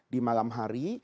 di malam hari